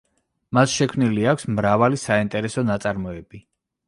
მას შექმნილი აქვს მრავალი საინტერესო ნაწარმოები.